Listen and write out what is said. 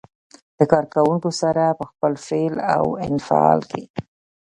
له کار کوونکو سره په خپل فعل او انفعال کې.